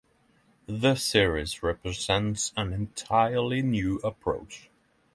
The series represents an entirely new approach.